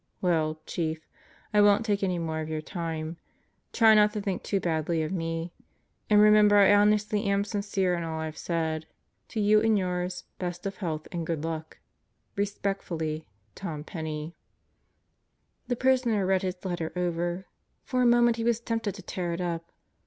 Well, Chief, I won't take any more of your time. Try not to think too badly of me. And remember I honestly am sincere in all I've said. To you and yours best of health and good luck. Respectfully, Tom Penney The prisoner read his letter over. For a moment he was tempted to tear it up.